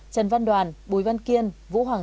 trần văn đoàn bùi văn kiên vũ hoàng